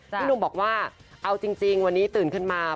พี่หนุ่มบอกว่าเอาจริงวันนี้ตื่นขึ้นมา